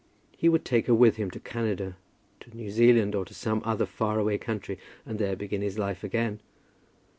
He would take her with him to Canada, to New Zealand, or to some other far away country, and there begin his life again.